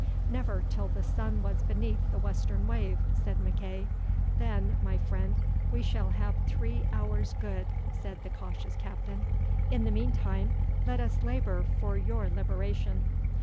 "Never till the sun was beneath the western wave," said MacEagh. "Then, my friend, we shall have three hours good," said the cautious Captain. "In the meantime, let us labour for your liberation."